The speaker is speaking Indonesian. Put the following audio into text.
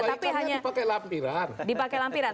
perbaikan nya dipakai lampiran